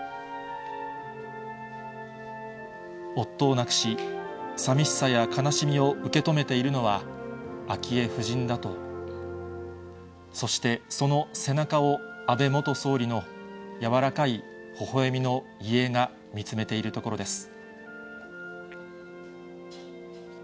夫を亡くし、さみしさや悲しみを受け止めているのは、昭恵夫人だと、そして、その背中を安倍元総理の柔らかいほほえみの遺影が見つめているところです。